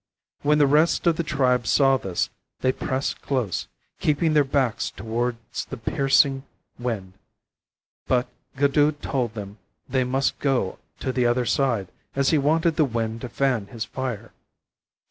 When the rest of the tribe saw this they pressed close, keeping their backs towards the piercing wind, but Guddhu told them they must go to the other side, as he wanted the wind to fan his fire.